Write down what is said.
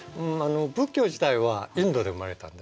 仏教自体はインドで生まれたんですね。